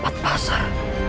ajian empat pasar